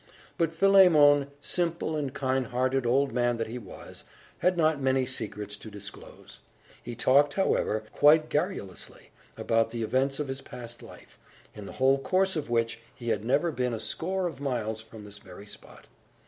But Philemon, simple and kind hearted old man that he was, had not many secrets to disclose. He talked, however, quite garrulously, about the events of his past life, in the whole course of which he had never been a score of miles from this very spot.